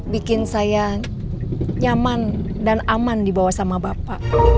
bikin saya nyaman dan aman dibawa sama bapak